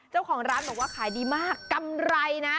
เจ้าของร้านบอกว่าขายดีมากกำไรนะ